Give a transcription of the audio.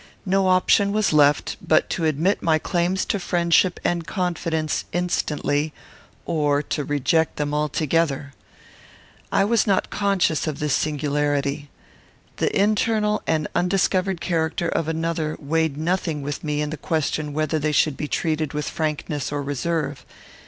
No option was left but to admit my claims to friendship and confidence instantly, or to reject them altogether. I was not conscious of this singularity. The internal and undiscovered character of another weighed nothing with me in the question whether they should be treated with frankness or reserve.